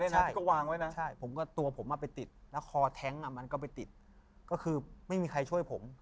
ใช่ตัวผมมันไปติดแล้วคอแท็งก์มันก็ไปติดก็คือไม่มีใครช่วยผม